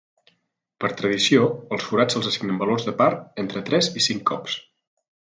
Per tradició, als forats se'ls assignen valors de par entre tres i cinc cops.